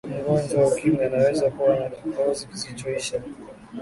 mgonjwa wa ukimwi anaweza kuwa na kikohozi kisichoisha